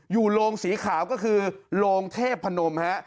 อยู่โรงสีขาวก็คือโรงเทพพนมฮะ